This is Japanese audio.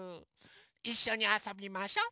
いっしょにあそびましょ。